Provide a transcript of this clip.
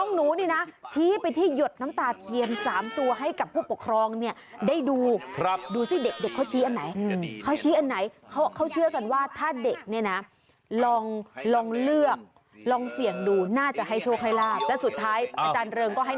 ให้ชี้ตัวแรกไปชี้เครื่องดื่มอะไรหะ